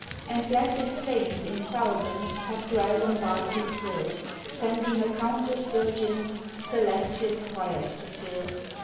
And blessed saints in thousands Have dwelt on Bardsey's hill, Sending her countless Virgins Celestial choirs to fill.